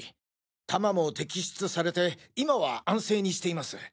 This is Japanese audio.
弾も摘出されて今は安静にしています。